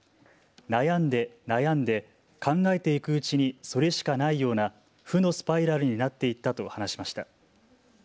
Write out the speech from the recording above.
悩んで悩んで考えていくうちにそれしかないような負のスパイラルになっていったと話しました。